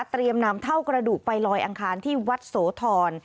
นำเท่ากระดูกไปลอยอังคารที่วัดโสธร